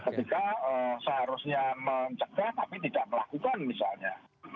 ketika seharusnya mencegah tapi tidak melakukan misalnya